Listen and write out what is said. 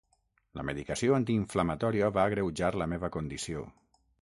La medicació antiinflamatòria va agreujar la meva condició.